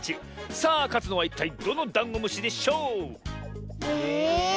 さあかつのはいったいどのダンゴムシでしょう⁉え。